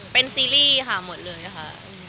เป็นซีรีส์ค่ะหมดเรื่องอยู่ค่ะ